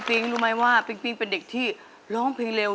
รู้ไหมว่าปิ๊งเป็นเด็กที่ร้องเพลงเร็ว